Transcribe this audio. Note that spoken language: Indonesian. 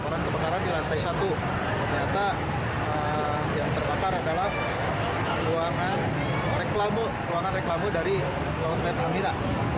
reklamu huruf a yang besar gitu amira